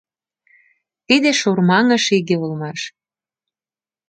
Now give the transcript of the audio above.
Тиде шурмаҥыш иге улмаш.